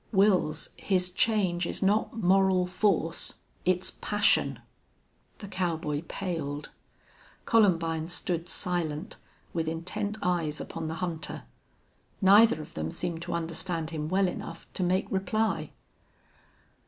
"Wils, his change is not moral force. It's passion." The cowboy paled. Columbine stood silent, with intent eyes upon the hunter. Neither of them seemed to understand him well enough to make reply.